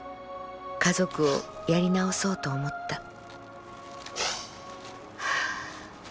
家族をやり直そうと思った」。